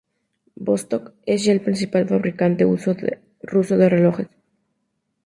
Vostok es ya el principal fabricante ruso de relojes.